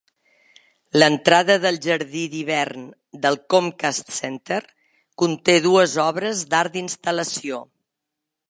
L'entrada del jardí d'hivern del Comcast Center conté dues obres d'art d'instal·lació.